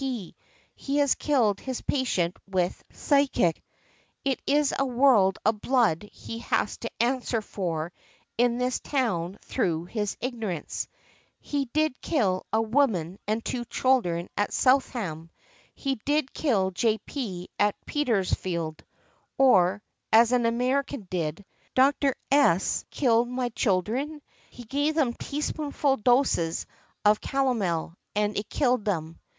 P.; he has killed his patient with physic; it is a world of blood he has to answer for in this town through his ignorance; he did kill a woman and two children at Southampton; he did kill J. P. at Petersfield;" or, as an American did, "Dr. S. killed my children; he gave them teaspoonful doses of calomel, and it killed them.